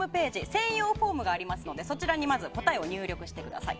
専用フォームがありますので答えを入力してください。